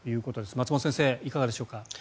松本先生、いかがでしょうか。